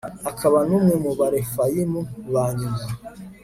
akaba n'umwe mu barefayimu ba nyuma